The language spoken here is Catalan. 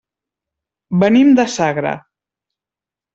Venim de Sagra.